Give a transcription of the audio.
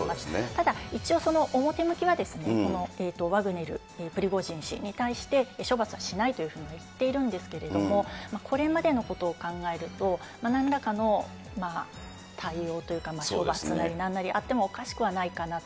ただ、一応、表向きはワグネル、プリゴジン氏に対して、処罰はしないというふうには言っているんですけれども、これまでのことを考えると、なんらかの対応というか、処罰なりなんなりあってもおかしくはないかなと。